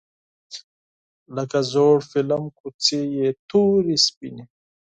لکه زوړ فیلم کوڅې یې تورې سپینې